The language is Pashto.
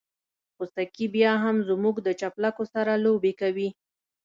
خوسکي بيا هم زموږ د چپلکو سره لوبې کوي.